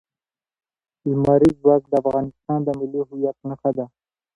لمریز ځواک د افغانستان د ملي هویت نښه ده.